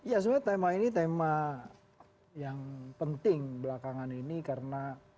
ya sebenarnya tema ini tema yang penting belakangan ini karena